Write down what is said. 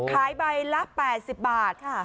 ขายใบละ๘๐บาทค่ะ